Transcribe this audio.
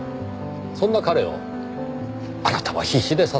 そんな彼をあなたは必死で支えようとした。